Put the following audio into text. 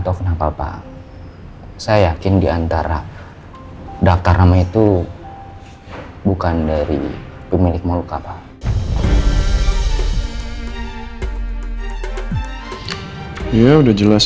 tahu kenapa pak saya yakin diantara daftar nama itu bukan dari pemilik molok apa ya udah jelas